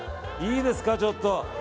いいですか、ちょっと。